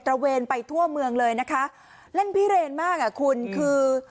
ระเวนไปทั่วเมืองเลยนะคะเล่นพิเรนมากอ่ะคุณคือ